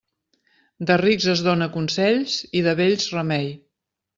De rics es dóna consells i de vells remei.